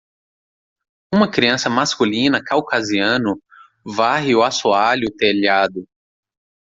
Uma criança masculina caucasiano varre o assoalho telhado.